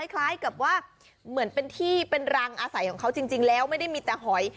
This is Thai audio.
คล้ายกับว่าเหมือนเป็นที่เป็นรังอาศัยของเขาจริงแล้วไม่ได้มีแต่หอย